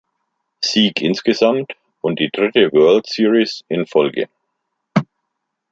Sieg insgesamt und die dritte World Series in Folge.